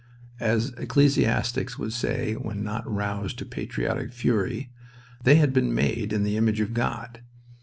As ecclesiastics would say when not roused to patriotic fury, they had been made "in the image of God."